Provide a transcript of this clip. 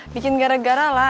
bikin gara gara lah